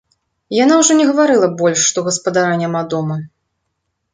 Яна ўжо не гаварыла больш, што гаспадара няма дома.